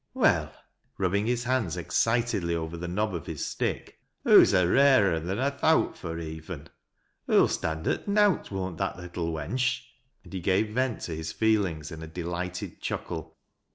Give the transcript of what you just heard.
" Well," rubbing his hands excitedly over the knob oi his stick, " hoo's a rarer un than I thowt fur, even. Hoo'll #tond at nowt, wout that little wench," and he gave veni to his feelings in a delighted chuckle.